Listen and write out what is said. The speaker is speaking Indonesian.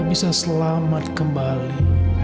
bisa selamat kembali